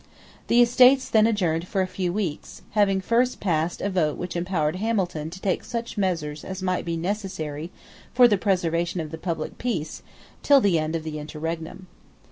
The Estates then adjourned for a few weeks, having first passed a vote which empowered Hamilton to take such measures as might be necessary for the preservation of the public peace till the end of the interregnum.